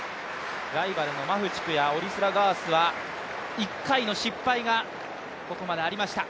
ライバルのマフチクやオリスラガースは１回の失敗がここまでありました。